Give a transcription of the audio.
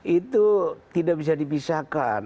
itu tidak bisa dipisahkan